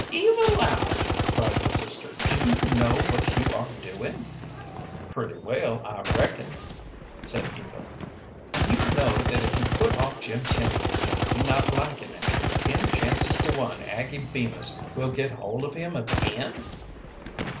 "Eva Loud," cried her sister; "do you know what you are doin'?" "Pretty well, I reckon," said Eva. "Do you know that if you put off Jim Tenny, and he not likin' it, ten chances to one Aggie Bemis will get hold of him again?"